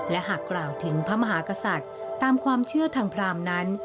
และหากกล่าวถึงพระมหากษัตริย์ตามความเชื่อทางพรามนั้น